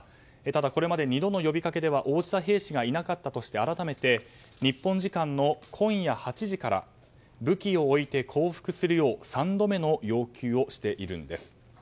ただこれまで２度の呼びかけでは応じた兵士がいなかったとして改めて日本時間の今夜８時から武器を置いて降伏するよう３度目の要求をしているんです。